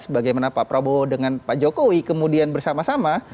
sebagaimana pak prabowo dengan pak jokowi kemudian bersama sama